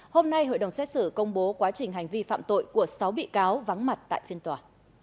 hôm nay hội đồng xét xử công bố quá trình hành vi phạm tội của sáu bị cáo vắng mặt tại phiên tòa